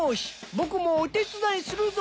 僕もお手伝いするぞ！